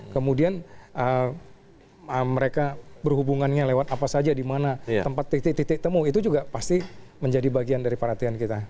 kemudian mereka berhubungannya lewat apa saja di mana tempat titik titik temu itu juga pasti menjadi bagian dari perhatian kita